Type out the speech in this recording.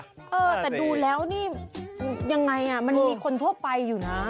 เออแต่ดูแล้วนี่ยังไงมันมีคนทั่วไปอยู่นะ